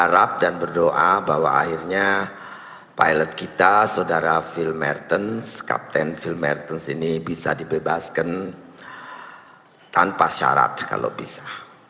harap dan berdoa bahwa akhirnya pilot kita saudara phil mertens kapten phil mertens ini bisa dibebaskan tanpa syarat kalau bisa